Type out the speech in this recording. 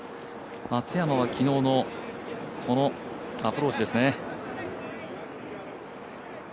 松山は昨日のこのアプローチですね。